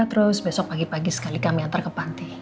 terus besok pagi pagi sekali kami antar ke pantai